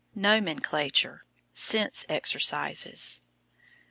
Nomenclature, Sense exercises.